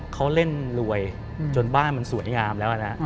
เขาเล่นรวยจนบ้านมันสวยงามแล้วนะ